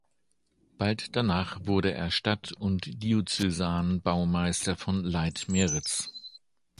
Bald danach wurde er Stadt- und Diözesanbaumeister von Leitmeritz.